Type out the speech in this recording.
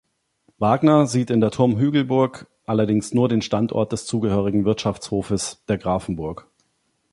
Wagner sieht in der Turmhügelburg allerdings nur den Standort des zugehörigen Wirtschaftshofes der Grafenburg.